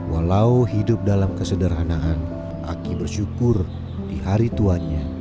walau hidup dalam kesederhanaan aki bersyukur di hari tuanya